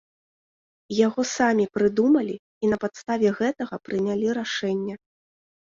Яго самі прыдумалі і на падставе гэтага прынялі рашэнне.